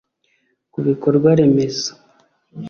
Ku bikorwa remezo